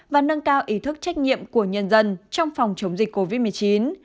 và nâng cao ý thức trách nhiệm của nhân dân trong phòng chống dịch covid một mươi chín